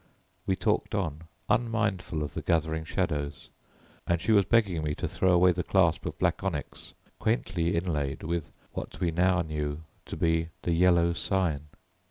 We talked on, unmindful of the gathering shadows, and she was begging me to throw away the clasp of black onyx quaintly inlaid with what we now knew to be the Yellow Sign.